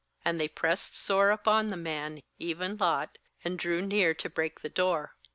And they pressed sore upon the man, even Lot, and drew near to break the door.